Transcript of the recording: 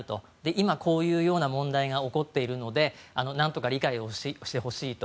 今、こういうような問題が起こっているのでなんとか理解をしてほしいと。